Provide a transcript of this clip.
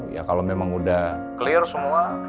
ya kalau memang udah clear semua